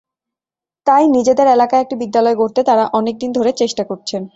তাই নিজেদের এলাকায় একটি বিদ্যালয় গড়তে তাঁরা অনেক দিন ধরে চেষ্টা করছেন।